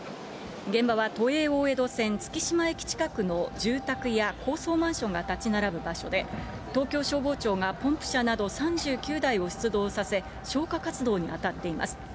現場は都営大江戸線月島駅近くの住宅や高層マンションが建ち並ぶ場所で、東京消防庁がポンプ車など３９台を出動させ、消火活動に当たっています。